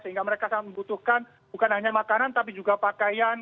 sehingga mereka sangat membutuhkan bukan hanya makanan tapi juga pakaian